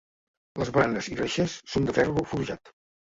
Les baranes i reixes són de ferro forjat.